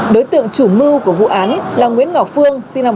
đối tượng chủ mưu của vụ án là nguyễn ngọc phương sinh năm một nghìn chín trăm tám mươi